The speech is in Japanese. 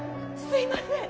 すいません。